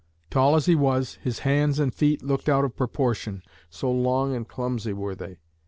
Tall as he was, his hands and feet looked out of proportion, so long and clumsy were they.